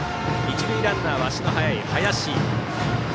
一塁ランナーは足の速い林。